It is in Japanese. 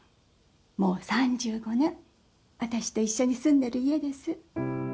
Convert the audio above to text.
もう３５年、私と一緒に住んでる家です。